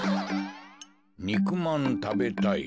「にくまんたべたい」。